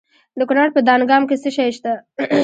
د کونړ په دانګام کې څه شی شته؟